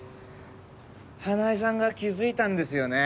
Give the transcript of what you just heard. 花絵さんが気づいたんですよね。